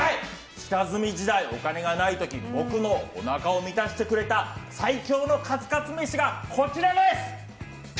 下積み時代、お金がない時僕のおなかを満たしてくれた最強のカツカツ飯がこちらです！